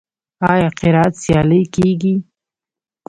آیا قرائت سیالۍ کیږي؟